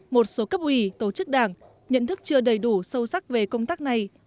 một số cấp ủy tổ chức đảng nhận thức chưa đầy đủ sâu sắc về công tác này